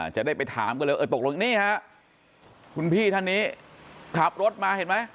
จะได้ไปถามกันเลยเออตกลงนี่ฮะคุณพี่ท่านนี้ขับรถมาเห็นไหม